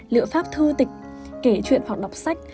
liệu pháp thư tịch kể chuyện hoặc đọc sách